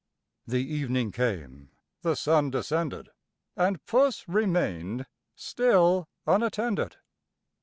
The evening came, the sun descended, And Puss remain'd still unattended.